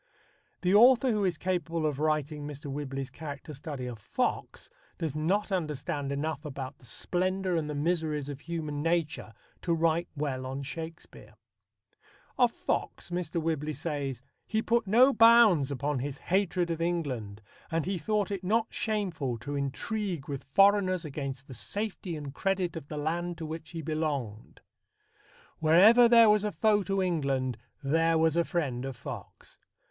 The author who is capable of writing Mr. Whibley's character study of Fox does not understand enough about the splendour and the miseries of human nature to write well on Shakespeare. Of Fox Mr. Whibley says: He put no bounds upon his hatred of England, and he thought it not shameful to intrigue with foreigners against the safety and credit of the land to which he belonged. Wherever there was a foe to England, there was a friend of Fox.